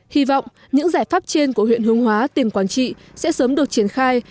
hy vọng những giải pháp trên của huyện hướng hóa tiền quản trị sẽ sớm được triển khai